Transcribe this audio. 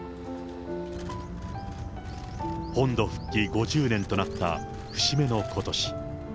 本土復帰５０年となった節目のことし。